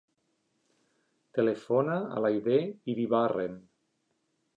Telefona a l'Aidé Iribarren.